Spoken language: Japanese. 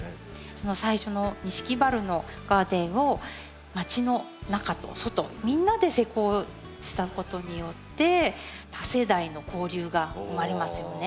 最初の錦原のガーデンをまちの中と外みんなで施工したことによって多世代の交流が生まれますよね。